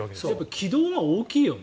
軌道が大きいよね。